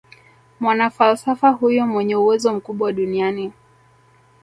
mwanafalsafa huyo mwenye uwezo mkubwa duniani